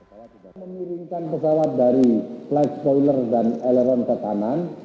pesawat yang memiringkan pesawat dari flight spoiler dan aileron ke kanan